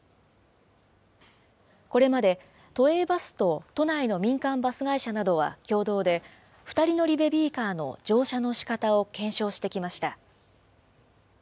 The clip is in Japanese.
これまで都営バスと都内の民間バス会社などは共同で２人乗りベビーカーの乗車のしかたを検証してきました。